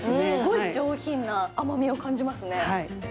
上品な甘みを感じますね。